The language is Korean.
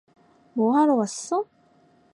뭐 하러 왔어?